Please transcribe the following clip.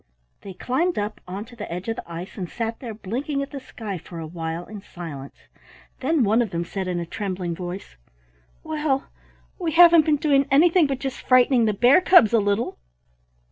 They climbed up onto the edge of the ice and sat there blinking at the sky for a while in silence; then one of them said in a trembling voice, "Well, we haven't been doing anything but just frightening the bear cubs a little."